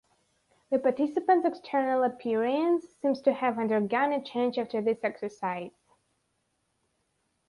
The participants external appearance seems to have undergone a change after this exercise.